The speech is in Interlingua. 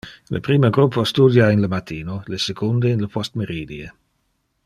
Le prime gruppo studia in le matino, le secunde in le postmeridie.